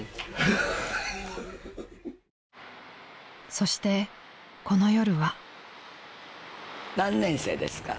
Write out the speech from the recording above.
［そしてこの夜は］